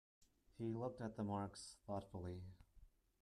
He looked at the marks thoughtfully.